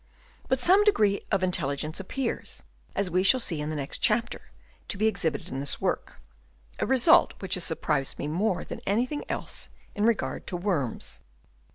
But some degree of in telligence appears, as we shall see in the next chapter, to be exhibited in this work, — a result which has surprised me more than anything else in regard to worms.